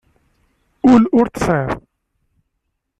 Ul ur t-tesεiḍ.